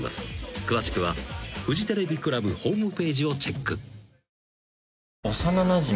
［詳しくはフジテレビクラブホームページをチェック］